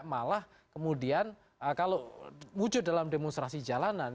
malah kemudian kalau wujud dalam demonstrasi jalanan